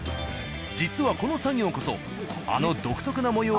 実はこの作業こそあの独特な模様